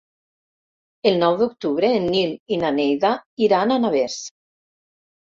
El nou d'octubre en Nil i na Neida iran a Navès.